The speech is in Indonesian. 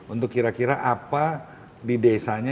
untuk kira kira apa di desanya